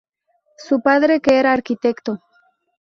Su padre que era arquitecto.